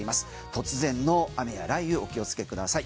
突然の雨や雷雨お気をつけください。